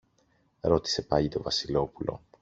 ρώτησε πάλι το Βασιλόπουλο.